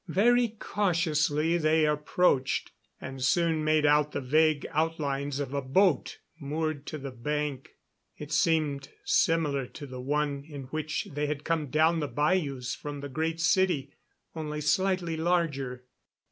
Very cautiously they approached and soon made out the vague outlines of a boat moored to the bank. It seemed similar to the one in which they had come down the bayous from the Great City, only slightly larger.